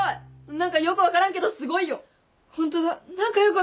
何かよく分からんけどすごい。